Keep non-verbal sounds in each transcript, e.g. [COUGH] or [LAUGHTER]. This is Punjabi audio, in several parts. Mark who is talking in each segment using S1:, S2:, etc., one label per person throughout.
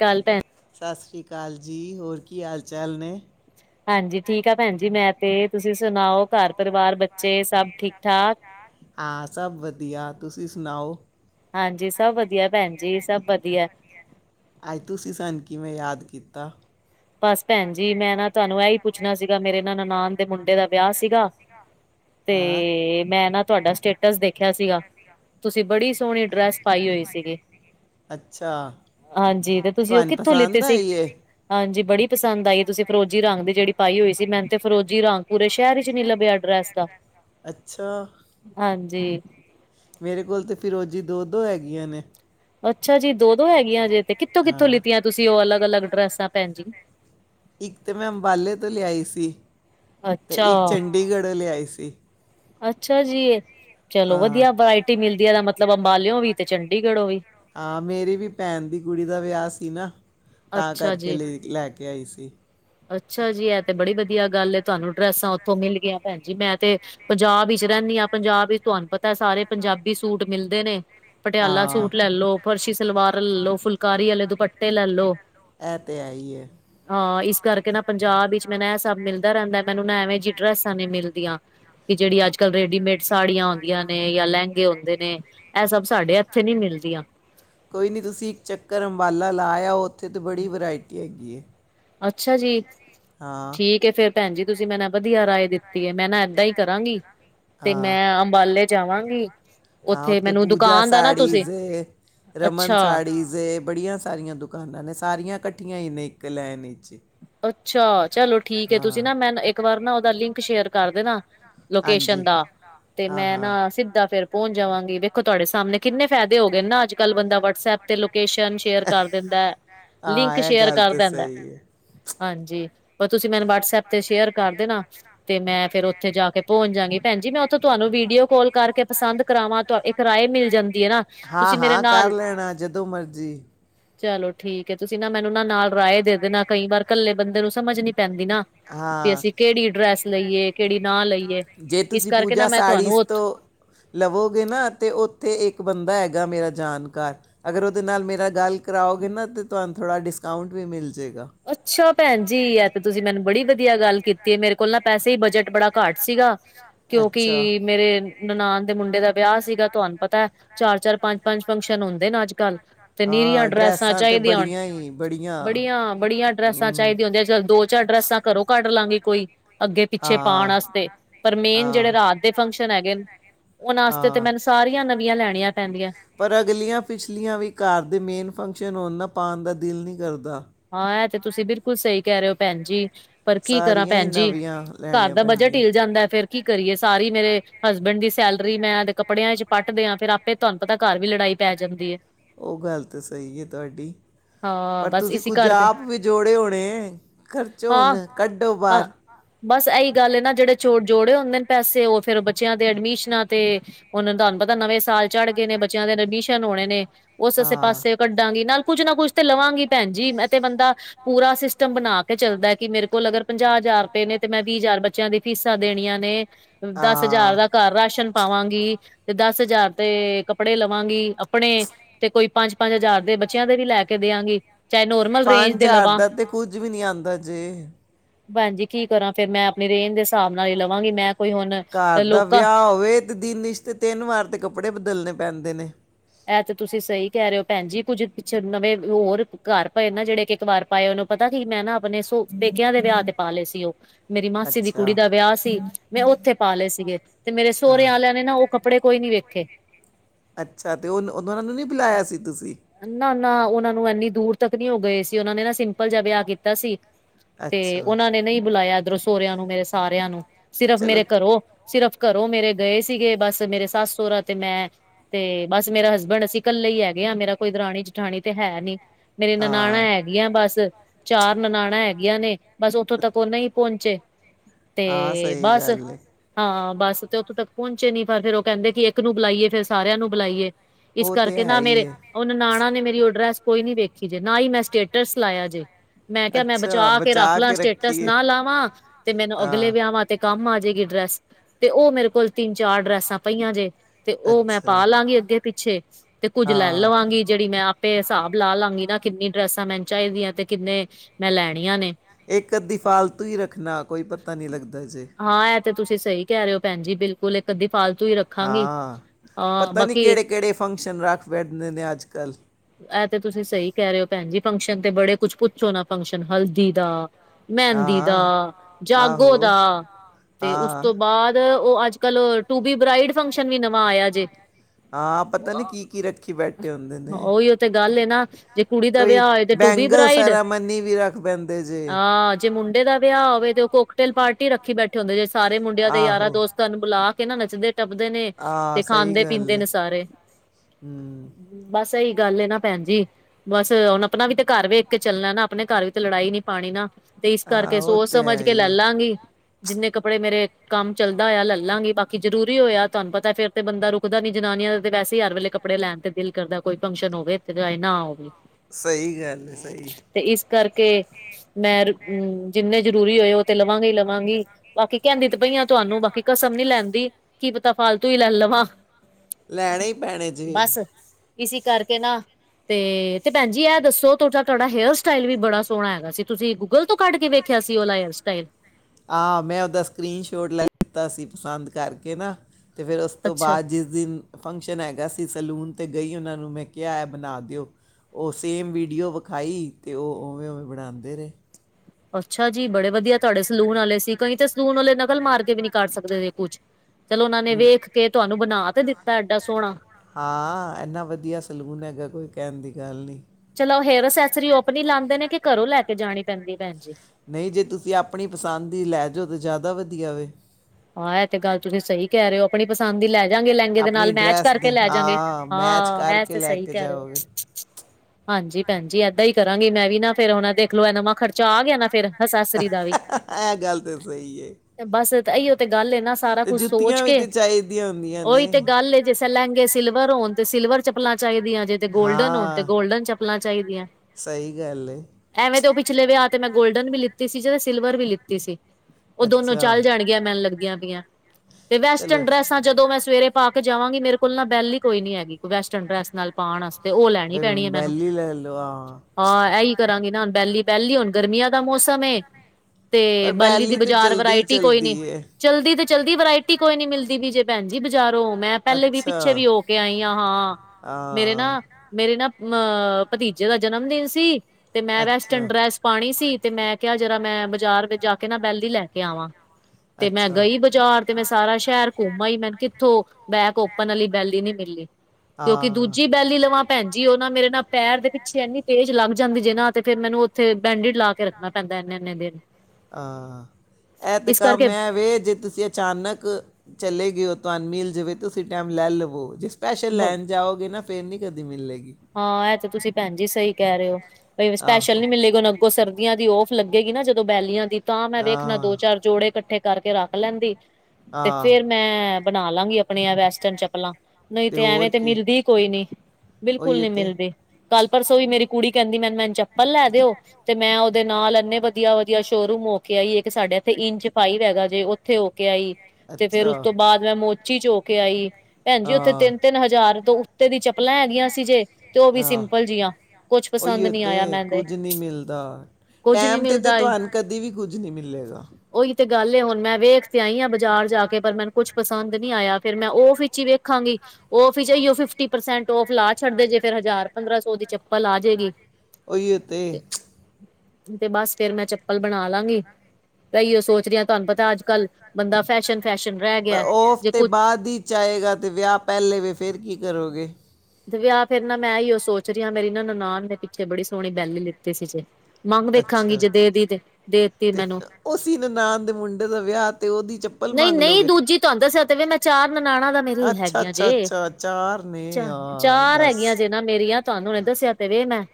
S1: ਕੱਲ ਪੈਣ
S2: ਸਾਸਰੀ ਕਾਲ ਜੀ, ਹੋਰ ਕੀ ਹਾਲ-ਚਾਲ ਨੇ?
S1: ਹਾਂਜੀ, ਠੀਕ ਆ ਪੈਣ ਜੀ‌ ਮੈਂ ਤੇ, ਤੁਸੀ ਸੁਨਾਓ ਘਰ, ਪਰਿਵਾਰ, ਬੱਚੇ ਸਭ ਠੀਕ-ਠਾਕ?
S2: ਹਾਂ, ਸਭ ਵਦੀਆ। ਤੁਸੀ ਸੁਨਾਓ?
S1: ਹਾਂਜੀ, ਸਭ ਵਦੀਆ ਪੈਣ ਜੀ, ਸਭ ਵਦੀਐ।
S2: ਅੱਜ ਤੁਸੀ ਸਾਨੂੰ ਕਿਵੇਂ ਯਾਦ ਕੀਤਾ?
S1: ਬਸ, ਪੈਣ ਜੀ ਮੈਂ ਨਾ ਤੁਆਨੂੰ ਐਈ ਪੁੱਛਨਾ ਸੀ ਗਾ, ਮੇਰੇ ਨਾ ਨਨਾਨ ਦੇ ਮੁੰਡੇ ਦਾ ਵਿਆਹ ਸੀ ਗਾ
S2: ਹਾਂ
S1: ਤੇ ਮੈਂ ਨਾ ਤੁਆਡਾ ਸਟੇਟਸ ਦੇਖਿਆ ਸੀ ਗਾ ਤੁਸੀ ਬੜੀ ਸੋਹਣੀ ਡਰੈਸ ਪਾਈ ਹੋਈ ਸੀ ਗੀ।
S2: ਅੱਛਾ।
S1: ਹਾਂਜੀ ਤੇ
S2: ਜੀ,
S1: ਤੁਸੀਂ ਉਹ
S2: ਤੁਹਾਨੂੰ
S1: ਕਿੱਥੋਂ
S2: ਪਸੰਦ
S1: ਲਿੱਤੀ ਸੀ
S2: ਆਈ ਏ ਸਿੱਖੀ?
S1: ਹਾਂਜੀ ਬੜੀ ਪਸੰਦ ਆਈ ਤੁਸੀਂ ਫਰੋਜੀ ਰੰਗ ਦੀ ਜਿਹੜੀ ਪਾਈ ਹੋਈ ਸੀ ਮੈਨੂੰ ਤੇ ਫਰੋਜੀ ਰੰਗ ਪੂਰੇ ਸ਼ਹਿਰ ਚ ਨੀ ਲਬਿਆ ਡਰੈਸ ਦਾ
S2: ਅੱਛਾ। [INAUDIBLE]
S1: ਹਾਂਜੀ।
S2: ਮੇਰੇ ਕੋਲ ਤਾਂ ਫਿਰੋਜੀ ਦੋ-ਦੋ ਹੈਗੀਆ ਨੇ ਤੇ
S1: ਅੱਛਾ ਜੀ ਦੋ ਦੋ ਹੈਗੀਆਂ ਜੇ ਤੇ ਕਿੱਥੋਂ
S2: ਤੁਸੀਂ
S1: ਕਿੱਥੋਂ
S2: ਹਾਂ
S1: ਲਿੱਤੀਆਂ ਤੁਸੀਂ ਉਹ ਅਲੱਗ ਅਲੱਗ ਡਰੈਸਾਂ ਭੈਣ ਜੀ।
S2: ਕੀਤੀ? ਇੱਕ ਤਾਂ ਮੈਂ ਅੰਬਾਲੇ ਤੋਂ ਲਿਆਈ ਸੀ ਅਤੇ ਇੱਕ
S1: ਅੱਛਾ,
S2: ਚੰਡੀਗੜ੍ਹ ਲਿਆਈ ਸੀ।
S1: ਅੱਛਾ ਜੀ ਚਲੋ ਵਧੀਆ ਵਰਾਇਟੀ ਮਿਲਦੀ ਹੈ ਮਤਲਬ ਅੰਬਾਲਿਓ ਵੀ ਤੇ ਚੰਡੀਗੜ੍ਹੋਂ ਵੀ।
S2: ਹਾਂ ਮੇਰੀ ਵੀ ਭੈਣ ਦੀ ਕੁੜੀ ਦਾ ਵਿਆਹ ਸੀ ਨਾ, ਤਾਂ
S1: ਅੱਛਾ
S2: ਕਰਕੇ
S1: ਜੀ,
S2: ਲੈ ਲੈ ਕੇ ਆਈ ਸੀ।
S1: ਅੱਛਾ ਜੀ ਇਹ ਤੇ ਬੜੀ ਵਧੀਆ ਗੱਲ ਏ ਤੁਹਾਨੂੰ ਡਰੈਸਾਂ ਉੱਥੋਂ ਮਿਲ ਗਈਆਂ ਭੈਣ ਜੀ ਮੈਂ ਤੇ ਪੰਜਾਬ ਇਚ ਰਹਿੰਦੀ ਹਾਂ ਪੰਜਾਬ ਵਿੱਚ ਤੁਹਾਨੂੰ ਪਤਾ ਸਾਰੇ ਪੰਜਾਬੀ ਸੂਟ ਮਿਲਦੇ ਨੇ। ਪਟਿਆਲਾ
S2: ਹਾਂ
S1: ਸੂਟ ਲੈ ਲੋ, ਫਰਸ਼ੀ ਸਲਵਾਰ ਲੈ ਲੋ, ਫੁਲਕਾਰੀ ਵਾਲੇ ਦੁਪੱਟੇ ਲੈ ਲੋ।
S2: ਐ ਤੇ ਹੈ ਹੀ ਏ।
S1: ਹਾਂ ਇਸ ਕਰਕੇ ਨਾ ਪੰਜਾਬ ਵਿੱਚ ਮੈਨ ਇਹ ਸਭ ਮਿਲਦਾ ਰਹਿੰਦਾ ਮੈਨੂੰ ਨਾ ਐਵੇਂ ਜਿਹੀ ਡਰੈਸਾਂ ਨੀ ਮਿਲਦੀਆਂ। ਕਿ ਜਿਹੜੀ ਅੱਜ ਕੱਲ੍ਹ ਰੇਡੀਮੇਡ ਸਾੜੀਆਂ ਆਉਂਦੀਆਂ ਨੇ ਜਾਂ ਲਹਿੰਗੇ ਹੁੰਦੇ ਨੇ। ਇਹ ਸਭ ਸਾਡੇ ਇਥੇ ਨੀ ਮਿਲਦੀਆਂ।
S2: ਕੋਈ ਨਹੀਂ ਤੁਸੀਂ ਇੱਕ ਚੱਕਰ ਅੰਬਾਲਾ ਲਾ ਆਓ ਉੱਥੇ ਤਾਂ ਬੜੀ ਵਰਾਇਟੀ ਹੈਗੀ ਹੈ।
S1: ਅੱਛਾ ਜੀ
S2: ਹਾਂ
S1: ਠੀਕ ਹੈ ਫੇਰ ਭੈਣ ਜੀ ਤੁਸੀਂ ਮੈਂ ਨਾ ਵਧੀਆ ਰਾਏ ਦਿੱਤੀ ਹੈ ਮੈਂ ਨਾ ਏਦਾਂ ਹੀ ਕਰਾਂਗੀ। ਤੇ
S2: ਹਾਂ
S1: ਮੈਂ ਅੰਬਾਲੇ ਜਾਵਾਂਗੀ
S2: ਹਾਂ
S1: ਉੱਥੇ ਮੈਨੂੰ
S2: ਪੂਜਾ
S1: ਦੁਕਾਨ ਦਾ ਨਾ ਤੁਸੀ
S2: ਸਾੜੀਜ਼ ਏ, ਰਮਨ ਸਾੜੀਜ਼ ਏ ਬੜੀਆਂ ਸਾਰੀਆਂ ਦੁਕਾਨਾਂ ਨੇ ਸਾਰੀਆਂ ਕੱਠੀਆਂ ਹੀ ਨੇ ਇੱਕ ਲੈਨ ਚ।
S1: ਅੱਛਾ ਚਲੋ ਠੀਕ ਹੈ ਤੁਸੀਂ ਨਾ ਮੈਨੂੰ ਇੱਕ ਵਾਰ ਨਾ ਉਹਦਾ ਲਿੰਕ ਸ਼ੇਅਰ ਕਰ ਦੇਨਾ।
S2: ਹਾਂਜੀ
S1: ਲੋਕੇਸ਼ਨ ਦਾ, ਤੇ
S2: ਹਾਂ
S1: ਮੈਂ
S2: ਹਾਂ
S1: ਨਾ ਸਿੱਧਾ ਫੇਰ ਪਹੁੰਚ ਜਾਵਾਂਗੀ ਦੇ ਖੋ ਤੁਹਾਡੇ ਸਾਮਣੇ ਕਿੰਨੇ ਫਾਇਦੇ ਹੋ ਗਏ ਨਾ ਅੱਜ ਕੱਲ ਬੰਦਾ ਵਟਸਐਪ ਤੇ ਲੋਸ਼ਨ ਸ਼ੇਅਰ ਕਰ ਦਿੰਦਾ। ਲਿੰਕ
S2: ਹਾਂ ਇਹ
S1: ਸ਼ੇਅਰ
S2: ਗੱਲ
S1: ਕਰ
S2: ਤੇ
S1: ਦਿੰਦਾ।
S2: ਸਹੀ ਹੈ
S1: ਹਾਂਜੀ ਪਰ ਤੁਸੀਂ ਮੈਨੂੰ ਵਟਸਐਪ ਤੇ ਸ਼ੇਅਰ ਕਰ ਦੇਨਾ। ਤੇ ਮੈਂ ਫੇਰ ਉੱਥੇ ਜਾ ਕੇ ਪਹੁੰਚ ਜਾਂਗੀ, ਭੈਣਜੀ ਮੈਂ ਉੱਥੇ ਤੁਹਾਨੂੰ ਵੀਡੀਓ ਕਾਲ ਕਰਕੇ ਪਸੰਦ ਕਰਾਵਾ ਤੁ ਇਕ ਰਾਏ ਮਿਲ ਜਾਂਦੀ ਹੈ ਨਾ
S2: ਹਾਂ
S1: ਤੁਸੀਂ ਮੇਰੇ
S2: ਹਾਂ ਕਰ
S1: ਨਾਲ
S2: ਲੈਣਾ ਜਦੋਂ ਮਰਜੀ
S1: ਚਲੋ ਠੀਕ ਹੈ ਤੁਸੀਂ ਨਾ ਮੈਨੂੰ ਨਾ ਨਾਲ ਰਾਏ ਦੇ ਦੇਣਾ ਕਈ ਵਾਰ ਕੱਲੇ ਬੰਦੇ ਨੂੰ ਸਮਝ ਨੀ ਪੈਂਦੀ ਨਾ ਵੀ
S2: ਹਾਂ
S1: ਅਸੀਂ ਕਿਹੜੀ ਡਰੈਸ ਲਈਏ ਕਿਹੜੀ ਨ ਲਈ ਏ
S2: ਜੇ
S1: ਇਸ
S2: ਤੁਸੀਂ
S1: ਕਰਕੇ ਨਾ
S2: ਪੂਜਾ
S1: ਮੈਂ ਤੁਹਾਨੂੰ
S2: ਸਾੜੀਸ
S1: ਉ
S2: ਤੋਂ ਲਵੋਗੇ ਨਾ ਅਤੇ ਉੱਥੇ ਇੱਕ ਬੰਦਾ ਹੈਗਾ ਮੇਰਾ ਜਾਣਕਾਰ। ਅਗਰ ਉਹਦੇ ਨਾਲ ਮੇਰਾ ਗੱਲ ਕਰਾਓਗੇ ਨਾ ਤਾਂ ਤੁਹਾਨੂੰ ਥੋੜ੍ਹਾ ਡਿਸਕਾਊਂਟ ਵੀ ਮਿਲ ਜੇਗਾ।
S1: ਅੱਛਾ ਭੈਣ ਜੀ ਐ ਤੇ ਤੁਸੀਂ ਮੈਨੂੰ ਬੜੀ ਵਧੀਆ ਗੱਲ ਕੀਤੀ ਮੇਰੇ ਕੋਲ ਨਾ ਪੈਸੇ ਹੀ ਬਜਟ ਬੜਾ ਘੱਟ ਸੀਗਾ। ਕਿਉਂਕਿ
S2: ਅੱਛਾ
S1: ਮੇਰੇ ਨਨਾਨ ਦੇ ਮੁੰਡੇ ਦਾ ਵਿਆਹ ਸੀਗਾ ਤੁਹਾਨੂੰ ਪਤਾ ਚਾਰ-ਚਾਰ ਪੰਜ ਪੰਜ ਫੰਕਸ਼ਨ ਹੁੰਦੇ ਨਾ ਅੱਜ ਕੱਲ੍ਹ ਤੇ ਨੀਰੀਆਂ
S2: ਹਾਂ
S1: ਡਰੈਸਾਂ
S2: ਤੇ
S1: ਚਾਹੀਦੀਆਂ
S2: ਬੜੀਆਂ ਹੀ
S1: ਬੜੀਆਂ। ਬੜੀਆਂ ਡਰੈਸਾਂ
S2: ਹਮ,
S1: ਚਾਹੀਦੀਆ ਹੁੰਦੀਆ ਚੱਲ ਦੋ ਚਾਰ ਡਰੈਸਾਂ ਕਰੋ ਕੱਢ ਲਾਂਗੀ ਕੋਈ ਅੱਗੇ ਪਿੱਛੇ ਪਾਣ
S2: ਹਾਂ
S1: ਆਸਤੇ। ਪਰ ਮੇਨ ਜਿਹੜੇ
S2: ਹਾਂ
S1: ਰਾਤ ਦੇ ਫੰਕਸ਼ਨ ਹੈਗੇ। ਉਹਨਾ ਆਸਤੇ ਤੇ
S2: ਹਾਂ
S1: ਮੈਨੂੰ ਸਾਰੀਆਂ ਨਵੀਆਂ ਲੈਣੀਆਂ ਪੈਂਦੀਆਂ।
S2: ਪਰ ਅਗਲੀਆਂ ਪਿਛਲੀਆਂ ਵੀ ਘਰ ਦੇ ਮੇਨ ਫੰਕਸ਼ਨ ਹੋਣ ਨਾ ਪਾਣ ਦਾ ਦਿਲ ਨੀ ਕਰਦਾ।
S1: ਹਾਂ ਇਹ ਤੇ ਤੁਸੀ ਬਿਲਕੁਲ ਸਹੀ ਕਹਿ ਰਹੇ ਹੋ ਭੈਣ ਜੀ। ਪਰ ਕੀ ਕਰਾਂ
S2: ਸਾਰੀਆਂ ਹੀ
S1: ਭੈਣ ਜੀ
S2: ਨਵੀਆਂ
S1: ਘਰ
S2: ਲੈਣੀਆਂ
S1: ਦਾ ਬਜਟ
S2: ਪੈਂਦੀਆਂ
S1: ਹਿਲ ਜਾਦਾ ਫਿਰ। ਕੀ ਕਰੀਏ ਸਾਰੀ ਮੇਰੇ ਹਸਬੈਂਡ ਦੀ ਸੈਲਰੀ ਮੈਂ ਦੇ ਕੱਪੜਿਆਂ ਚ ਪੱਟਦੇ ਆ ਫੇਰ ਆਪੇ ਤੁਹਾਨੂੰ ਪਤਾ ਘਰ ਵੀ ਲੜਾਈ ਪੈ ਜਾਂਦੀ ਹੈ।
S2: ਉਹ ਗੱਲ ਤਾਂ ਸਹੀ ਹੈ ਤੁਹਾਡੀ
S1: ਹਾਂ
S2: ਪਰ
S1: ਬਸ
S2: ਤੁਸੀਂ
S1: ਇਸੀ
S2: ਕੁਝ
S1: ਕਰਕੇ
S2: ਆਪ ਵੀ ਜੋੜੇ ਹੋਣੇ ਖਰਚੋ ਹੁਣ
S1: ਹਾਂ
S2: ਕੱਢੋ
S1: ਹਾਂ
S2: ਬਾਰ।
S1: ਬਸ ਇਹੀ ਗੱਲ ਨਾ ਜਿਹੜੇ ਚੋੜ ਜੋੜੇ ਹੁੰਦੇ ਨੇ ਪੈਸੇ ਉਹ ਫੇਰ ਬੱਚਿਆ ਦੇ ਐਡਮਿਸ਼ਨਾ ਤੇ ਉਹਨ ਤੁਹਾਨੂੰ ਪਤਾ ਨਵੇਂ ਸਾਲ ਚੜ ਗਏ ਨੇ ਬੱਚਿਆਂ ਦੇ ਐਡਮਿਸ਼ਨ ਹੋਣੇ ਨੇ। ਉਸ ਆਸੇ
S2: ਹਾਂ
S1: ਪਾਸੇ ਕਢਾਂਗੀ ਨਾਲ ਕੁਝ ਨਾ ਕੁਛ ਤੇ ਲਵਾਂਗੀ ਭੈਣ ਜੀ ਏ ਤੇ ਬੰਦਾ ਪੂਰਾ ਸਿਸਟਮ ਬਣਾ ਕੇ ਚਲਦਾ ਕਿ ਮੇਰੇ ਕੋਲ ਅਗਰ ਪੰਜਾਹ ਹਜ਼ਾਰ ਰੁਪਏ ਨੇ ਤੇ ਮੈ ਵੀਹ ਹਜ਼ਾਰ ਬੱਚਿਆਂ ਦੀ ਫੀਸਾਂ ਦੇਣੀਆਂ ਨੇ
S2: ਰੁਪਏ
S1: ਦਸ ਹਜ਼ਾਰ
S2: ਆ
S1: ਦਾ ਘਰ ਰਾਸ਼ਨ ਪਾਵਾਗੀ ਤੇ ਦਸ ਹਜ਼ਾਰ ਤੇ ਕੱਪੜੇ ਲਵਾਗੀ ਆਪਣੇ ਤੇ ਕੋਈ ਪੰਜ-ਪੰਜ ਹਜ਼ਾਰ ਦੇ ਬੱਚਿਆਂ ਦੇ ਵੀ ਲੈ ਕੇ ਦਿਆਂਗੀ ਚਾਹੇ ਨੋਰਮਲ ਰੇਂਜ
S2: ਪੰਜ
S1: ਦੇ
S2: ਹਜ਼ਾਰ
S1: ਲਵਾਂ
S2: ਦਾ ਤਾਂ ਕੁਝ ਵੀ ਨੀ ਆਦਾ ਜੇ।
S1: ਭਾਜੀ ਕੀ ਕਰਾਂ ਫੇਰ ਮੈਂ ਆਪਣੀ ਰੇਣ ਦੇ ਹਿਸਾਬ ਨਾਲ ਹੀ ਲਵਾਂਗੀ ਮੈ ਕੋਈ ਹੁਣ
S2: ਘਰ ਦਾ
S1: ਲੋਕਾਂ
S2: ਵਿਆਹ ਹੋਵੇ ਤੇ ਦਿਨ ਇਚ ਤੇ ਤਿਨ ਵਾਰ ਤਾਂ ਕੱਪੜੇ ਬਦਲਣੇ ਪੈਦੇ ਨੇ।
S1: ਇਹ ਤੇ ਤੁਸੀ ਸਹੀ ਕਹਿ ਰਹੇ ਹੋ ਭੈਣ ਜੀ ਕੁਝ ਪਿਛ ਨਵੇ ਹੋਰ ਘਰ ਪਏ ਨਾ ਜਿਹੜੇ ਕਿ ਇਕ ਵਾਰ ਪਾਏ ਉਹਨੂੰ ਪਤਾ ਕੀ ਮੈਂ ਨਾ ਆਪਣੇ ਸੂਟ ਪੇਕੇਆ ਦੇ ਵਿਆਹ ਤੇ ਪਾ ਲਏ ਸੀ ਉਹ ਮੇਰੀ ਮਾਸੀ ਦੀ
S2: ਅੱਛਾ
S1: ਕੁੜੀ ਦਾ ਵਿਆਹ ਸੀ ਮੈਂ ਉਥੇ ਪਾ ਲਏ ਸੀਗੇ ਤੇ ਮੇਰੇ ਸਹੁਰੇ
S2: ਹਾਂ
S1: ਵਾਲਿਆਂ ਨੇ ਨਾ ਉਹ ਕੱੜ ਕੱਪੜੇ ਕੋਈ ਵੇਖੇ-
S2: ਅਛਾ ਅਤੇ ਉਹਨੂੰ ਉਦੋਂ ਉਹਨਾਂ ਨੂੰ ਨਹੀ ਬੁਲਾਇਆ ਸੀ ਤੁਸੀ
S1: ਨਾ ਨਾ ਉਹਨਾਂ ਨੂੰ ਇਨੀ ਦੂਰ ਤਕ ਨਹੀ ਹੋ ਗਏ ਸੀ। ਉਹਨਾਂ ਨੇ ਨਾ ਸਿੰਪਲ ਜਿਹਾ ਵਿਆਹ ਕੀਤਾ ਸੀ। ਤੇ
S2: ਅੱਛਾ
S1: ਉਹਨਾ ਨੇ ਨਹੀ ਬੁਲਾਇਆ ਇਧਰੋ ਸੁਹਰਿਆਂ ਨੂੰ ਮੇਰੇ ਸਾਰਿਆਂ ਨੂੰ ਸਿਰਫ਼
S2: ਚਲੋ
S1: ਮੇਰੇ ਘਰੋ ਸਿਰਫ਼ ਘਰੋ ਮੇਰੇ ਗਏ ਸੀਗੇ ਬਸ ਮੇਰੇ ਸੱਸ ਸੁਹਰਾ ਤੇ ਮੈ ਤੇ ਬਸ ਮੇਰਾ ਹਸਬੈਂਡ ਅਸੀ ਕਲੇ ਹੀ ਹੈਗੇ ਹ ਮੇਰਾ ਕੋਈ ਦਰਾਣੀ- ਜਠਾਣੀ ਤੇ ਹੈ ਨੀ ਮੇਰੇ ਨਨਾਣਾ
S2: ਹਾਂ
S1: ਹੈ ਹੈਗੀਆਂ ਬਸ ਚਾਰ ਨਨਾਣਾਾ ਹੈਗੀਆਂ ਨੇ ਬਸ ਉਥੋਂ ਤਕ ਉਹ ਨਹੀ ਪਹੁੰਚੇ
S2: ਹਾਂ
S1: ਤੇ
S2: ਸਹੀ
S1: ਬਸ-
S2: ਗੱਲ ਹੈ
S1: ਹਾਂ ਬਸ ਤੇ ਉਥੋਂ ਤਕ ਪਹੁੰਚੇ ਨੀ ਪਰ ਫਿਰ ਉਹ ਕਹਿਦੇ ਕਿ ਇਕ ਨੂੰ ਬੁਲਾਈਏ ਫਿਰ ਸਾਰਿਆਂ ਨੂੰ ਬੁਲਾਈਏ। ਇਸ
S2: ਉਹ ਤੇ
S1: ਕਰਕੇ
S2: ਹੈ
S1: ਨਾ ਮੇਰੇ-
S2: ਹੀ ਹੈ
S1: ਉਹ ਨਨਾਣਾ ਨੇ ਮੇਰੀ ਡਰੈਸ ਕੋਈ ਨੀ ਵੇਖੀ ਜੇ ਨਾ ਹੀ ਮੈਂ ਸਟੇਟਸ ਲਾਇਆ ਜੇ- ਮੈ ਕਿਹਾ ਮੈ ਬਚਾ ਕੇ ਰੱਖ ਲਾ ਸਟੇਟਸ ਨਾ ਲਾਵਾਂ ਤੇ ਮੈਨੂੰ ਅਗਲੇ
S2: ਹਾਂ
S1: ਵਿਆਵਾਂ ਤੇ ਕੰਮ ਆ ਜੇਗੀ ਡਰੈਸ ਤੇ ਉਹ ਮੇਰੇ ਕੋਲ ਤਿਨ ਚਾਰ ਡਰੈਸਾਂ ਪਈਆਂ ਜੇ ਤੇ ਉਹ ਮੈ
S2: ਅੱਛਾ
S1: ਪਾ ਲਾਂਗੀ ਅਗੇ ਪਿਛੇ ਤੇ ਕੁਝ ਲੈ
S2: ਹਾਂ
S1: ਲਵਾਂਗੀ ਜਿਹੜੀ ਮੈਂ ਆਪੇ ਹਿਸਾਬ ਲਾ ਲਾਂਗੀ ਨਾ। ਕਿਨੀ ਡਰੈਸਾਂ ਮੈਨੂੰ ਚਾਹੀਦੀਆਂ ਤੇ ਕਿਨੇ ਮੈ ਲੈਣੀਆਂ ਨੇ।
S2: ਇਕ ਅਧੀ ਫਾਲਤੂ ਹੀ ਰੱਖਣਾ ਕੋਈ ਪਤਾ ਨਹੀ ਲੱਗਦਾ ਜੇ
S1: ਹਾਂ ਇਹ ਤੇ ਤੁਸੀ ਸਹੀ ਕਹਿ ਰਹੇ ਹੋ ਭੈਣ ਜੀ ਬਿਲਕੁਲ ਇਕ ਅਧੀ ਫਾਲਤੂ ਹੀ ਰੱਖਾਂਗੀ।
S2: ਹਾਂ
S1: ਅਹ
S2: ਪਤਾ ਨਹੀਂ
S1: ਬਾਕੀ
S2: ਕਿਹੜੇ ਕਿਹੜੇ ਫੰਕਸ਼ਨ ਰਖ ਬੈਠਦੇ ਨੇ ਅਜ ਕਲ
S1: ਇਹ ਤੇ ਤੁਸੀ ਸਹੀ ਕਹਿ ਰਹੇ ਹੋ ਭੈਣ ਜੀ ਫੰਕਸ਼ਨ ਤੇ ਬੜੇ ਕੁਛ ਪੁਛੋ ਨਾ ਫੰਕਸ਼ਨ ਹਲਦੀ ਦਾ ਮਹਿਦੀ ਦਾ
S2: ਆ
S1: ਜਾਗੋ ਦਾ
S2: ਆਹੋ
S1: ਤੇ ਉਸ
S2: ਆ
S1: ਤੋਂ ਬਾਅਦ- ਉਹ ਅਜ ਕਲ ਟੂ ਬੀ ਬਰਾਈਡ ਫੰਕਸ਼ਨ ਵੀ ਨਵਾ ਆਇਆ ਜੇ
S2: ਹਾਂ ਪਤਾ ਨਹੀ ਕੀ ਕੀ ਰਖੀ ਬੈਠ
S1: ਉਹੀ ਉਹ ਤੇ ਗੱਲ ਏ ਨਾ ਜੇ ਕੁੜੀ ਦਾ
S2: ਕੋਈ
S1: ਵਿਆਹ ਹੋਏ ਤੇ ਤੂੰ ਵੀ
S2: ਬੈਂਗਲ
S1: ਬਰਾਈਡ
S2: ਸੈਰਾਮਨੀ ਵੀ ਰੱਖ ਪੈਂਦੇ ਜੇ
S1: ਹ ਜੇ ਮੁੰਡੇ ਦਾ ਵਿਆਹ ਹੋਵੇ ਤੇ ਉਹ ਕੋਕਟੇਲ ਪਾਰਟੀ ਰਖੀ ਬੈਠੇ ਹੁੰਦੇ ਜੇ ਸਾਰੇ ਮੁੰਡਿਆਂ ਦੇ ਯਾਰਾਂ
S2: ਆਹੋ
S1: ਦੋਸਤ ਤੁਹਾਨੂੰ ਬੁਲਾ ਕੇ ਨਾ ਨੱਚਦੇ ਟੱਪਦੇ ਨੇ
S2: ਆ
S1: ਤੇ
S2: ਸਹੀ
S1: ਖਾਂਦੇ
S2: ਗੱਲ
S1: ਪੀਦੇ
S2: ਹੈ
S1: ਨੇ ਸਾਰੇ-
S2: ਹੂੰ
S1: ਬਸ ਇਹੀ ਗੱਲ ਹੈ ਨਾ ਭੈਣ ਜੀ- ਬਸ ਹੁਣ ਆਪਣਾ ਵੀ ਤੇ ਘਰ ਵੇਖ ਕੇ ਚਲਣਾ ਨਾ ਆਪਣੇ ਘਰ ਵੀ ਤੇ ਲੜਾਈ ਨੀ ਪਾਣੀ ਨਾ ਤੇ ਇਸ
S2: ਆ
S1: ਕਰਕੇ
S2: ਉਹ
S1: ਸੋਚ
S2: ਤੇ
S1: ਸਮਝ ਕੇ
S2: ਆਈ
S1: ਲੈ
S2: ਹੈ ਹੀ ਹੈ।
S1: ਲਾਂਗੀ ਜਿਨੇ ਕੱਪੜੇ ਮੇਰੇ ਕੰਮ ਚਲਦਾ ਆ ਲੈ ਲਾਂਗੇ ਬਾਕੀ ਜ਼ਰੂਰੀ ਹੋਇਆ ਤੁਹਾਨੂੰ ਪਤਾ ਫੇਰ ਤੇ ਬੰਦਾ ਰੁਕ ਪਤਾ ਨੀ ਜਨਾਨੀਆਂ ਦਾ ਤੇ ਵੈਸੇ ਹੀ ਹਰ ਵੇਲੇ ਕੱਪੜੇ ਲੈਣ ਤੇ ਦਿਲ ਕਰਦਾ ਕੋਈ ਫੰਕਸ਼ਨ ਹੋਵੇ ਇਥ ਜਾਏ ਨਾ ਹੋਵੇ
S2: ਸਹੀ ਗੱਲ ਹੈ। ਸਹੀ-
S1: ਤੇ ਇਸ ਕਰਕੇ ਮੈ ਜਿਨੇ ਜ਼ਰੂਰੀ ਹੋਏ ਉਹ ਤੇ ਲਵਾਂਗੇ ਹੀ ਲਵਾਂਗੀ ਬਾਕੀ ਕਹਿੰਦੀ ਤੇ ਪਈ ਆਂ ਤੁਹਾਨੂੰ ਬਾਕੀ ਕਸਮ ਨੀ ਲੈਦੀ ਕੀ ਪਤਾ ਫਾਲਤੂ ਹੀ ਲੈ ਲਵਾ
S2: ਲੈਣੇ ਹੀ ਪੈਣੇ ਜੀ-
S1: ਇਸੀ ਕਰਕੇ ਨਾ- ਤੇ ਤੇ ਭੈਣ ਜੀ ਇਹ ਦਸੋ ਤੁਹਾਡਾ- ਤੁਹਾਡਾ ਹੇਅਰ ਸਟਾਈਲ ਵੀ ਬੜਾ ਸੋਹਣਾ ਹੈਗਾ ਸੀ ਤੁਸੀ ਗੂਗਲ ਤੋਂ ਕਢ ਕੇ ਵੇਖ ਰਖਿਆ ਸੀ ਉਹ ਵਾਲਾ ਹੇਅਰ ਸਟਾਈਲ
S2: ਆਹ ਮੈਂ ਉਹਦਾ ਸਕਰੀਨ ਸ਼ੋਟ ਲੈ ਲਤਾ ਸੀ। ਪਸੰਦ ਕਰਕੇ ਨਾ ਤੇ' ਫੇਰ ਉਸ ਤੋਂ
S1: ਅੱਛਾ
S2: ਬਾਅਦ ਜਿਸ ਦਿਨ ਫੰਕਸ਼ਨ ਹੈਗਾ ਸੀ। ਸੈਲੂਨ 'ਤੇ ਗਈ ਉਹਨਾਂ ਨੂੰ ਮੈਂ ਕਿਹਾ ਹੈ। ਬਣਾ ਦਿਓ ਉਹ ਸੇਮ ਵੀਡੀਓ ਵਿਖਾਈ ਅਤੇ ਉਹ ਉਵੇਂ-ਉਵੇਂ ਬਣਾਉਂਦੇ ਰਹੇ
S1: ਅੱਛਾ ਜੀ ਬੜੇ ਵਧੀਆ ਤੁਹਾਡੇ ਸਲੂਨ ਵਾਲੇ ਸੀ। ਕਈ ਤੇ ਸਲੂਨ ਵਾਲੇ ਨਕਲ ਮਾਰ ਕੇ ਵੀ ਨੀ ਕਰ ਸਕਦੇ ਕੁਝ ਚਲੋ ਉਹਨਾਂ ਨੇ ਵੇਖ ਕੇ ਤੁਹਾਨੂੰ ਬਣਾ ਤੇ ਦਿੱਤਾ ਐਡਾ ਸੋਹਣਾ
S2: ਹਾਂ ਇੰਨਾ ਵਧੀਆ ਸਲੂਨ ਹੈਗਾ ਕੋਈ ਕਹਿਣ ਦੀ ਗੱਲ ਨਹੀਂ
S1: ਚਲੋ ਹੇਅਰ ਅਸੈਸਰੀ ਉਹ ਆਪਣੀ ਲਾਉਦੇ ਨੇ ਕਿ ਘਰੋਂ ਲੈ ਕੇ ਜਾਣੀ ਪੈਂਦੀ ਭੈਣ ਜੀ
S2: ਨਹੀਂ ਜੇ ਤੁਸੀਂ ਆਪਣੀ ਪਸੰਦ ਹੀ ਲੈ ਜਾਓ ਤਾਂ ਜ਼ਿਆਦਾ ਵਧੀਆ ਵੇ
S1: ਆ ਇਹ ਤੇ ਗੱਲ ਤੁਸੀਂ ਸਹੀ ਕਹਿ ਰਹੇ ਹੋ ਆਪਣੀ ਪਸੰਦ ਦੀ ਲੈ ਜਾਂਗੇ ਲਹਿੰਗੇ ਦੇ
S2: ਆਪਣੀ
S1: ਨਾਲ ਮੈਚ
S2: ਡਰੈਸ
S1: ਕਰਕੇ
S2: ਦੇ
S1: ਲੈ ਜਾਂਗੇ।
S2: ਹਾਂ ਮੈਚ
S1: ਹਾਂ ਇਹ
S2: ਕਰਕੇ
S1: ਤੇ
S2: ਲੈ
S1: ਸਹੀ
S2: ਕੇ
S1: ਕਹਿ ਰਹੇ ਹੋ।
S2: ਜਾਓਗੇ
S1: ਹਾਂਜੀ ਭੈਣਜੀ ਏਦਾਂ ਹੀ ਕਰਾਂਗੀ ਮੈਂ ਵੀ ਨਾ ਫੇਰ ਹੁਣ ਦੇਖਲਓ ਇਹ ਨਵਾਂ ਖਰਚਾ ਆ ਗਿਆ ਨਾ ਫੇਰ ਅਸੈਸਰੀ ਦਾ ਵੀ'
S2: ਇਹ ਗੱਲ ਤੇ ਸਹੀ ਹੈ
S1: ਬੱਸ ਤੇ ਇਹੀ ਤੇ ਗੱਲ ਇਹ ਨਾ ਸਾਰਾ
S2: ਤੇ
S1: ਕੁੱਛ ਸੋਚ
S2: ਜੁੱਤੀਆਂ ਵੀ
S1: ਕੇ
S2: ਤੇ ਚਾਹੀਦੀਆਂ ਹੁੰਦੀਆਂ
S1: ਉਹੀ
S2: ਨੇ
S1: ਤੇ ਗੱਲ ਏਹ ਜੇ ਸ ਲਹਿੰਗੇ ਸਿਲਵਰ ਹੋਣ ਤੇ ਸਿਲਵਰ ਚੱਪਲਾਂ ਚਾਹੀਦੀਆਂ ਜੇ ਤੇ ਗੋਲਡਨ ਹੋਣ ਤੇ
S2: ਹਾਂ
S1: ਗੋਲਡਨ ਚੱਪਲਾਂ ਚਾਹੀਦੀਆਂ
S2: ਸਹੀ ਗੱਲ ਏ
S1: ਐਵੇਂ ਤੇ ਉਹ ਪਿਛਲੇ ਵਿਆਹ ਤੇ ਮੈਂ ਗੋਲਡਨ ਵੀ ਲਿੱਤੀ ਸੀ। ਜ ਤੇ ਸਿਲਵਰ ਵੀ ਲਿੱਤੀ ਸੀ। ਉਹ ਦੋਨੋ
S2: ਅੱਛਾ
S1: ਚੱਲ ਜਾਣਗੇ ਮੈਨੂੰ ਲੱਗੀਆਂ ਪਈਆਂ ਤੇ
S2: ਚਲੋ
S1: ਵੈਸਟਰਨ ਡਰੈਸਾਂ ਜਦੋਂ ਮੈਂ ਸਵੇਰੇ ਪਾ ਕੇ ਜਾਵਾਂਗੀ। ਮੇਰੇ ਕੋਲ ਨਾ ਬਹਿਲੀ ਕੋਈ ਨੀ ਹੈਗੀ। ਵੈਸਟਰਨ ਡਰੈਸ ਨਾਲ ਪਾਉਣ ਵਾਸਤੇ ਉਹ ਲੈਣੀ
S2: ਫਿਰ
S1: ਪੈਣੀ ਹੈ
S2: ਹੁਣ
S1: ਮੈਨੂੰ
S2: ਬੈਲੀ ਲੈ ਲਓ ਹਾਂ
S1: ਹਾਂ ਇਹੀ ਕਰਾਂਗੀ ਨਾ ਹੁਣ ਪਹਿਲੀ ਪਹਿਲੀ ਹੁਣ ਗਰਮੀਆਂ ਦਾ ਮੌਸਮ ਏ ਤੇ
S2: ਪਰ
S1: ਬਅਲੀ ਦੀ
S2: ਬੈਲੀ ਤੇ
S1: ਬਾਜ਼ਾਰ
S2: ਜਲਦੀ
S1: ਵਰਾਇਟੀ ਕੋਈ
S2: ਚਲਦੀ
S1: ਨੀ
S2: ਏ
S1: ਚਲਦੀ ਤੇ ਚਲਦੀ ਵਰਾਇਟੀ ਕੋਈ ਨੀ ਮਿਲਦੀ ਵੀ ਜੇ ਭੈਣ ਜੀ ਬਜ਼ਾਰੋਂ ਮੈਂ ਪਹਿਲੇ ਵੀ
S2: ਅੱਛਾ
S1: ਪਿੱਛੇ ਵੀ ਹੋ ਕੇ ਆਈ ਆ। ਹਾਂ ਮੇਰੇ
S2: ਹਾਂ
S1: ਨਾ ਮੇਰੇ ਨਾ ਮ' ਭਤੀਜੇ ਦਾ ਜਨਮ ਦਿਨ ਸੀ। ਤੇ ਮੈਂ ਵੈਸਟਰਨ
S2: ਅੱਛਾ
S1: ਡਰੈਸ ਪਾਣੀ ਸੀ। ਤੇ' ਮੈਂ ਕਿਹਾ ਜਰਾ ਮੈਂ ਬਾਜ਼ਾਰ ਵਿੱਚ ਜਾ ਕੇ ਨਾ ਬੈਲ ਹੀ ਲੈ ਕੇ ਆਵਾਂ ਤੇ ਮੈਂ
S2: ਅੱਛਾ
S1: ਗਈ ਬਾਜ਼ਾਰ ਤੇ ਮੈਂ ਸਾਰਾ ਸ਼ਹਿਰ ਘੁੰਮ ਆਈ ਮੈਨੂੰ ਕਿੱਥੋਂ ਬੈਕ ਓਪਨ ਵਾਲੀ ਬੈਲੀ ਨੀ ਮਿਲੀ ਕਿਉਂਕਿ
S2: ਹਾਂ
S1: ਦੂਜੀ ਬੈਲੀ ਲਵਾਂ ਭੈਣਜੀ' ਉਹ ਨਾ ਮੇਰੇ ਨਾਲ ਪੈਰ ਦੇ ਪਿੱਛੇ ਇੰਨੀ ਤੇਜ ਲੱਗ ਜਾਂਦੀ ਜ ਨਾ ਤੇ' ਫੇਰ ਮੈਨੂੰ ਉੱਥੇ ਬੈਂਡੇਡ ਲਾ ਕੇ ਰੱਖਣਾ ਪਾਂਦਾ ਇੰਨ- ਇਨੇ ਦਿਨ
S2: ਹਾਂ' ਇਹ ਤੇ
S1: ਇਸ
S2: ਕੰਮ
S1: ਕਰਕੇ
S2: ਹੈ ਵੇ ਜੇ ਤੁਸੀਂ ਅਚਾਨਕ ਚਲੇ ਗਏ ਓ ਤੁਹਨੂ ਮਿਲ ਜਾਵੇ ਤਾਂ ਤੁਸੀਂ ਟਾਈਮ ਲੈ ਲਵੋ ਜਿਸ ਸਪੈਸ਼ਲ
S1: ਬ
S2: ਲੈਣ ਜਾਓਗੇ ਨਾ ਫੇਰ ਨ ਕਦੀ ਮਿਲੇਗੀ।
S1: ਹਾਂ ਇਹ ਤੇ ਤੁਸੀਂ ਭੈਣ ਜੀ ਸਹੀ ਕਹਿ ਰਹੇ ਓ ਸਪੈਸ਼ਲ
S2: ਆਹੋ
S1: ਨੀ ਮਿਲੇ ਗ ਸਰਦੀਆਂ ਦੀ ਔਫ ਲੱਗੇਗੀ ਨਾ ਜਦੋਂ ਬੈਲੀਆਂ ਦੀ ਤਾਂ ਮੈਂ ਵੇਖਣਾ ਦੋ,
S2: ਹਾਂ
S1: ਚਾਰ ਜੋੜੇ ਇਕੱਠੇ ਕਰਕੇ ਰੱਖ ਲੈਂਦੀ ਤੇ
S2: ਹਾਂ
S1: ਫੇਰ ਮੈਂ ਬਣਾ ਲਾਂਗੀ ਆਪਣੀਆਂ ਵੈਸਟਰਨ ਚੱਪਲਾਂ ਨਹੀਂ ਤੇ
S2: ਹੋਰ
S1: ਐਵੇਂ ਤੇ
S2: ਕੀ
S1: ਮਿਲਦੀ ਕੋਈ ਨੀ ਬਿਲਕੁਲ
S2: ਉਹੀ
S1: ਨੀ
S2: ਤੇ
S1: ਮਿਲ਼ਦੀ ਕੱਲ ਪਰਸੋਂ ਵੀ ਮੇਰੀ ਕੁੜੀ ਕਹਿੰਦੀ ਮੈਨੂੰ ਮੈਨੂੰ ਚੱਪਲ ਲੈ ਦਿਓ ਤੇ' ਮੈਂ ਉਹਦੇ ਨਾਲ ਇੰਨੇ ਵਧੀਆ-ਵਧੀਆ ਸ਼ੋਰੂਮ ਹੋ ਕੇ ਆਈ ਇੱਕ ਸਾਡੇ ਇੱਥੇ ਇੰਚ ਪਾਈਵ ਹੈਗਾ ਜੇ ਉੱਥੇ ਹੋ ਕੇ ਆਈ ਤੇ ਫੇਰ
S2: ਅੱਛਾ
S1: ਉਸ ਤੋਂ ਬਾਅਦ ਮੈਂ ਮੋਚੀ ਚ ਹੋ ਕੇ ਆਈ ਭੈਣਜੀ ਉੱਥੇ
S2: ਹਾਂ
S1: ਤਿੰਨ-ਤਿੰਨ ਹਜ਼ਾਰ ਤੋਂ ਤੇ' ਇਦੀ ਚੱਪਲਾਂ ਹੈਗੀਆਂ ਸੀ ਜੇ ਤੇ'ਉਹ ਵੀ
S2: ਹਾਂ
S1: ਸਿੰਪਲ ਜਿਆਂ ਕੁਛ ਪਸੰਦ
S2: ਉਹੀ
S1: ਨਹੀਂ ਆਇਆ
S2: ਤੇ
S1: ਮੈਂਦੇ
S2: ਕੁਝ ਨਹੀਂ ਮਿਲਦਾ
S1: ਕੁੱਝ ਨੀ
S2: ਟਾਈਮ 'ਤੇ ਤਾਂ
S1: ਮਿਲਦਾ
S2: ਤੁਹਾਨੂੰ ਕਦੇ ਵੀ ਕੁਝ ਨਹੀਂ ਮਿਲੇਗਾ।
S1: ਉਹੀ ਤੇ ਗੱਲ ਏ ਹੁਣ ਮੈਂ ਵੇਖ ਤੇ ਆਈ ਹਾਂ ਬਾਜ਼ਾਰ ਜਾ ਕੇ ਪਰ ਮੈਨੂੰ ਕੁੱਛ ਪ ਪਸੰਦ ਨੀ ਆਇਆ ਫੇਰ ਮੈਂ ਉਹ ਹੀ ਵੇਖਾਂਗੀ ਉਹਓ ਫਿਫਟੀ ਪਰਸੈਂਟ ਔਫ ਲਾ ਛੱਡਦੇ ਜੇ ਫੇਰ ਹਜ਼ਾਰ ਪੰਦਰਾਂ ਸੌ ਦੀ ਚੱਪਲ ਆ ਜਾਏਗੀ ਤੇ ਤੇ ਬਸ ਫੇਰ ਮੈਂ ਚੱਪਲ ਬਣਾ ਲਾਂਗੀ। ਤ ਈਓ ਸੋਚ ਰਹੀਹਾ ਤੁਹਾਨੂੰ ਪਤਾ ਅੱਜ ਕੱਲ੍ਹ ਬੰਦਾ ਫੈਸ਼ਨ- ਫੈਸ਼ਨ ਰਹਿ ਗਿਆ ਜੇ ਕੁਛ
S2: ਜਾਏਗਾ 'ਤੇ ਵਿਆਹ ਪਹਿਲੇ ਵ ਫਿਰ ਕੀ ਕਰੋਗੇ
S1: 'ਤੇ ਵਿਆਹ ਫਿਰ ਨਾ ਮੈਂ ਹੀ ਸੋਚ ਰਹੀ ਆ ਮੇਰੀ ਨਾ ਨਨਾਨ ਦੇ ਪਿੱਛੇ ਬੜੀ ਸੋਹਣੀ ਬੈਲੀ ਲਿਤੀ ਸੀ ਜ ਮੰਗ ਵੇਖਾਂਗੀ
S2: ਅੱਛਾ
S1: ਜੇ ਦੇਂਦੀ ਤੇ ਦੇ ਦਿੱਤੀ
S2: ਤੇ
S1: ਮੈਨੂੰ
S2: ਉਸੀ ਨਨਾਨ ਦੇ ਮੁੰਡੇ ਦਾ ਵਿਆਹ ਤੇ ਉਹਦੀ ਚੱਪਲ
S1: ਨਹੀਂ
S2: ਮੰਗ
S1: ਨਹੀਂ
S2: ਲੋੋਗੇ। ਚਾਰ
S1: ਦੂਜੀ ਤੁਹਾਨੂੰ ਦੱਸਿਆ ਤੇ ਵੇ ਮੈਂ
S2: ਨਨਾਨ
S1: ਚਾਰ ਨਨਾਣਾਂ ਦਾ
S2: ਨੇ
S1: ਮੇਰੇ
S2: ਅੱਛਾ
S1: ਹੈਗੀਆਂ
S2: ਅੱਛਾ
S1: ਜੇ
S2: ਅੱਛਾ ਚਾਰ ਨੇ
S1: ਚ
S2: ਆ
S1: ਚਾਰ
S2: ਦੱਸ।
S1: ਹੈਗੀਆਂ ਜੇ ਨਾ ਮੇਰੀਆਂ ਤੁਹਾਂਨੂੰ ਦੱਸਿਆ ਤੇ ਵੇ ਮੈਂ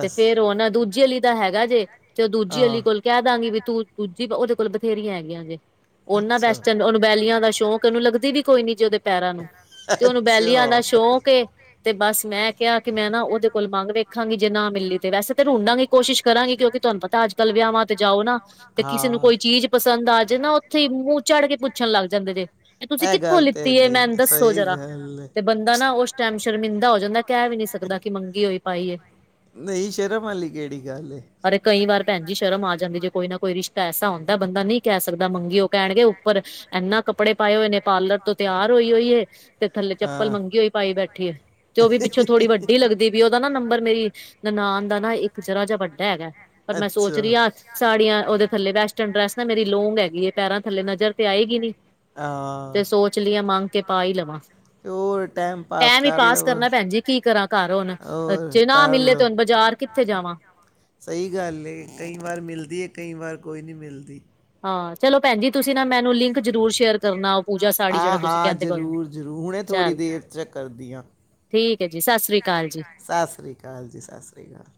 S1: ਤੇ ਫੇਰ ਉਹ ਨਾ ਦੂਜੀਲੀ ਦਾ ਹੈਗਾ ਜੇ ਤੇ ਦੂਜੀ ਅਲੀ
S2: ਹਾਂ
S1: ਕੋਲ ਕਹਿ ਦਾਂਗੀ ਵੀ ਤੂੰ ਦੂਜੀ ਉਹਦੇ ਕੋਲ ਬਥੇਰੀਆਂ ਹੈਗੀਆਂ ਜੇ ਉਹਨਾਂ
S2: ਅੱਛਾ
S1: ਵੇਂਸਟ ਉਹਨੂੰ ਬੈਲੀਆਂ ਦਾ ਸ਼ੌਂਕ ਉਹਨੂੰ ਲੱਗਦੀ ਵੀ ਕੋਈ ਨੀ ਜੀ ਉਹਦੇ ਪੈਰਾਂ ਨੂੰ ਤੇ ਉਹਨੂੰ
S2: ਅੱਛਾ
S1: ਬੈਲੀਆਂ ਦਾ
S2: ਤੇ
S1: ਸ਼ੌਕ ਤੇ ਬਸ ਮੈਂ ਕਿਹਾ ਕਿ ਮੈਂ ਨਾ ਉਹਦੇ ਕੋਲ ਮੰਗ ਵੇਖਾਂਗੀ ਜੇ ਨਾ ਮਿਲੀ ਤੇ ਵੈਸੇ ਤਾਂ ਢੁਡਾਂਗੀ ਕੋਸ਼ਿਸ਼ ਕਰਾਂਗੀ। ਕਿਉਂਕਿ ਤੁਹਾਨੂੰ ਪਤਾ ਤਾਂ ਅੱਜ ਕੱਲ ਵਿਆਹਾਂ ਤੇ ਜਾਓ ਨਾ ਤੇ ਕਿਸੇ ਨੂੰ
S2: ਹਾਂ
S1: ਕੋਈ ਚੀਜ਼ ਪਸੰਦ ਆਜੇ ਨਾ ਉੱਥੇ ਮੂੰਹ ਚੜ ਕੇ ਪੁੱ ਪੁੱਛਣ ਲੱਗ ਜਾਂਦੇ ਜੇ ਇਹ ਤੁਸੀਂ ਕਿੱਥੋਂ
S2: ਗੱਲ ਤੇ
S1: ਲਿੱਤੀ ਏ। ਮੈਨੂੰ
S2: ਹੈਗੀ
S1: ਦੱਸੋ
S2: ਸਹੀ
S1: ਜਰਾ
S2: ਗੱਲ ਹੈ
S1: ਬੰਦਾ ਨਾ ਉਸ ਟਾਈਮ ਸ਼ਰਮਿੰਦਾ ਹੋ ਜਾਂਦਾ ਕਹਿ ਵੀ ਨਹੀਂ ਸਕਦਾ ਕਿ ਮੰਗੀ ਹੋਈ ਪਾਈ
S2: ਨਹੀਂ ਸ਼ਰਮ ਵਾਲੀ ਕਿਹੜੀ ਗੱਲ ਹੈ।
S1: ਅਰੇ ਕਈ ਵਾਰ ਭੈਣਜੀ ਸ਼ਰਮ ਆ ਜਾਂਦੀ ਜੇ ਕੋਈ ਨਾ ਕੋਈ ਰਿਸ਼ਤਾ ਐਸਾ ਹੁੰਦਾ ਬੰਦਾ ਨਹੀਂ ਕਹਿ ਸਕਦਾ ਮੰਗੀ ਉਹ ਕਹਿਣਗੇ ਉੱਪਰ ਇਨਾਂ ਕੱਪੜੇ ਪਾਏ ਹੋਏ ਨੇ ਪਾਰਲਰ ਤੋਂ ਤਿਆਰ ਹੋਈ ਹੋਈ ਹੈ ਤੇ ਥੱਲੇ ਚੱਪਲ
S2: ਹਾਂ
S1: ਮੰਗੀ ਹੋਈ ਪਾਈ ਬੈਠ ਠੀ ਏ ਤੇ ਉਹ ਵੀ ਪਿੱਛੋਂ ਥੋੜੀ ਵੱਡੀ ਲੱਗਦੀ ਦੀਵੀ ਏ ਉਦਾ ਨਾ ਨੰਬਰ ਮੇਰੀ ਨਨਾਨ ਦਾ ਨਾ ਇੱਕ ਜਰਾ ਜਿਹਾ ਵੱਡਾ ਹੈਗਾ ਪਰ ਮੈਂ ਸੋਚ
S2: ਅੱਛਾ
S1: ਰਹੀ ਹਾ ਸਾੜੀਆਂ ਉਹਦੇ ਥੱਲੇ ਵੈਸਟਰਨ ਡਰੈਸ ਨਾ ਮੇਰੀ ਲੋਂਗ ਹੈਗੀ ਹੈ ਪੈਰਾਂ ਥੱਲੇ ਨਜ਼ਰ ਤੇ ਆਏਗੀ ਨੀ।
S2: ਹਾਂ
S1: ਤੇ ਸੋਚ ਲਿਆ ਮੰਗ ਕੇ ਪਾ ਈ ਲਵਾਂ
S2: ਹੋਰ ਟੈਂਮ
S1: ਟੈਮ ਹੀ ਪਾਸ ਕਰਨਾ ਭੈਣ ਜੀ ਕੀ ਕਰਾਂ ਘਰ ਹੁਣ
S2: ਹੋਰ
S1: ਜੇ ਨਾ
S2: ਕਰ
S1: ਮਿਲੇ ਤੇ
S2: ਲਓ
S1: ਹੁਣ ਬਾਜ਼ਾਰ ਕਿੱਥੇ ਜਾਵਾ।
S2: ਸਹੀ ਗੱਲ ਹੈ ਕਈ ਵਾਰ ਮਿਲਦੀ ਹੈ ਕਈ ਵਾਰ ਕੋਈ ਨੀ ਮਿਲਦੀ।
S1: ਹਾਂ ਚਲੋ ਭੈਣ ਜੀ ਤੁਸੀਂ ਨਾ ਮੈਨੂੰ ਲਿੰਕ ਜ਼ਰੂਰ ਸ਼ੇਅਰ ਕਰਨਾ। ਪੂਜਾ ਸਾੜੀ
S2: ਆ
S1: ਜਿਹੜਾ ਤੁਸੀਂ
S2: ਹਾਂ
S1: ਕਹਿੰਦੇ ਪਏ ਹੋ ਉਹਦਾ
S2: ਜ਼ਰੂਰ-ਜ਼ਰੂਰ ਹੁਣੇ ਥੋੜ੍ਹੀ
S1: ਚਲ
S2: ਦੇਰ ਚ ਕਰਦੀ ਆ।
S1: ਠੀਕ ਹੈ ਜੀ ਸਸ ਸ੍ਰੀ ਕਾਲ ਜੀ।
S2: ਸਸ ਸ੍ਰੀ ਕਾਲ ਜੀ, ਸਸ ਸ੍ਰੀ ਕਾਲ।